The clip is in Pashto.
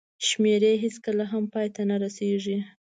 شمېرې هېڅکله هم پای ته نه رسېږي.